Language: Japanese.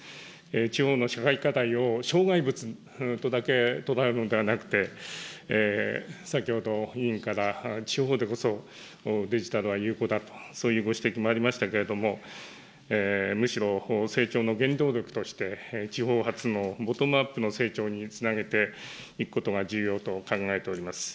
地方の社会課題を障害物とだけ捉えるのではなくて、先ほど委員から地方でこそデジタルは有効だと、そういうご指摘もありましたけれども、むしろ成長の原動力として、地方発のボトムアップの成長につなげていくことが重要と考えております。